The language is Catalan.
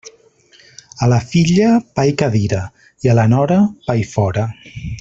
A la filla, pa i cadira, i a la nora, pa i fora.